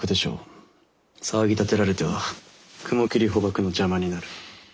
騒ぎ立てられては雲霧捕縛の邪魔になる。